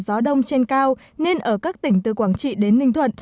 gió đông trên cao nên ở các tỉnh từ quảng trị đến ninh thuận